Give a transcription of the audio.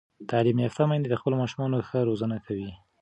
تعلیم یافته میندې د خپلو ماشومانو ښه روزنه کوي.